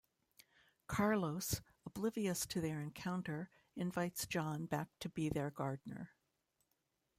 Carlos, oblivious to their encounter, invites John back to be their gardener.